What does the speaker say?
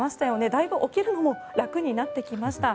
だいぶ起きるのも楽になってきました。